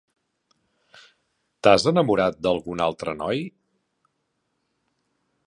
T"has enamorat d"algun altre noi?